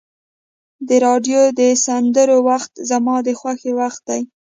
د راډیو د سندرو وخت زما د خوښۍ وخت دی.